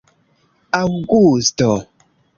aŭgusto